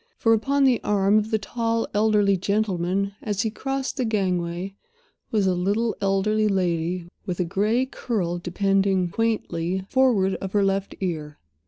For, upon the arm of the tall, elderly gentleman, as he crossed the gangway, was a little elderly lady, with a gray curl depending quaintly forward of her left ear.